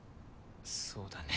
そうだね。